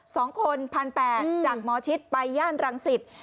สองคนพันแปดจากหมอชิดไปย่านรังสิต